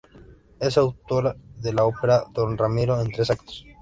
Es autor de la ópera "Don Ramiro", en tres actos.